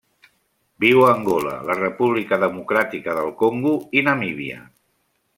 Viu a Angola, la República Democràtica del Congo i Namíbia.